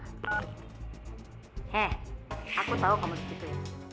eh aku tahu kamu begitu ya